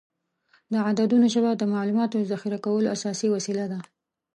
د عددونو ژبه د معلوماتو د ذخیره کولو اساسي وسیله ده.